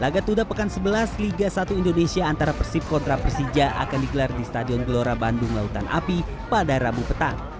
laga tuda pekan sebelas liga satu indonesia antara persib kontra persija akan dikelar di stadion gelora bandung lautan api pada rabu petang